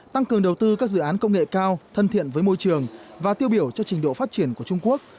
tăng cường đầu tư các dự án công nghệ cao thân thiện với môi trường và tiêu biểu cho trình độ phát triển của trung quốc